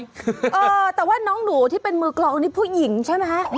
เออแต่ว่าน้องหนูที่เป็นมือกลองนี่ผู้หญิงใช่ไหม